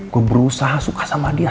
gue berusaha suka sama dia